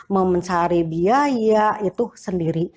memencari biaya itu sendiri